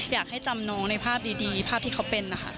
อยากให้จำน้องในภาพดีภาพที่เขาเป็นนะคะ